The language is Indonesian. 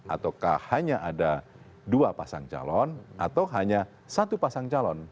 ataukah hanya ada dua pasang calon atau hanya satu pasang calon